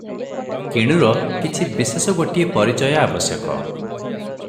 କିଣୁର କିଛି ବିଶେଷ ଗୋଟିଏ ପରିଚୟ ଆବଶ୍ୟକ ।